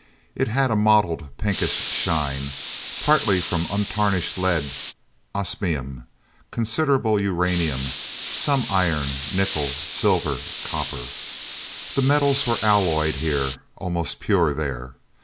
It had a mottled, pinkish shine, partly from untarnished lead, osmium, considerable uranium, some iron, nickel, silver, copper. The metals were alloyed, here; almost pure, there.